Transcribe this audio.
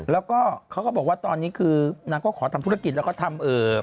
แล้วก็เขาก็บอกว่าตอนนี้คือนางก็ขอทำธุรกิจแล้วก็ทำเอ่อ